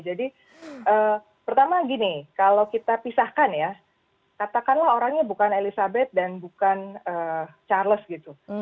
jadi pertama gini kalau kita pisahkan ya katakanlah orangnya bukan elisabeth dan bukan charles gitu